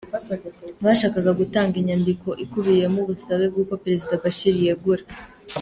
Bashakaga gutanga inyandiko ikubiyemo ubusabe bwuko Perezida Bashir yegura.